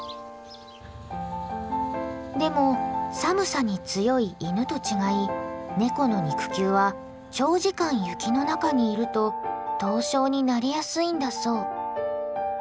でも寒さに強い犬と違いネコの肉球は長時間雪の中にいると凍傷になりやすいんだそう。